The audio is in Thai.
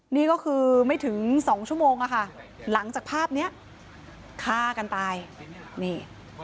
นี่ก็คือไม่ถึงสองชั่วโมงอะค่ะหลังจากภาพเนี้ยฆ่ากันตายนี่